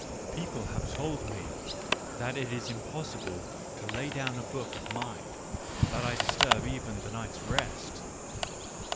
People have told me that it is impossible to lay down a book of mine — that I disturb even the night's rest.